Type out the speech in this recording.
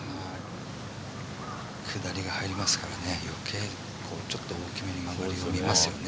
下りが入りますからちょっと大きめに曲がるように見ますよね。